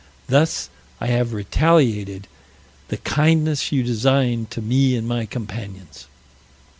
Thus I have retaliated the kindness you designed to me and my companions."